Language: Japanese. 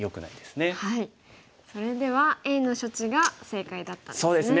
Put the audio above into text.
それではＡの処置が正解だったんですね。